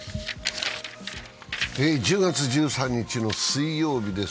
１０月１３日の水曜日です。